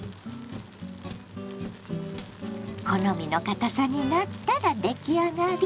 好みのかたさになったら出来上がり。